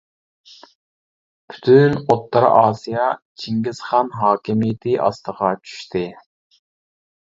پۈتۈن ئوتتۇرا ئاسىيا چىڭگىزخان ھاكىمىيىتى ئاستىغا چۈشتى.